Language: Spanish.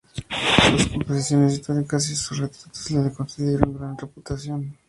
Sus composiciones históricas y sus retratos le concedieron gran reputación.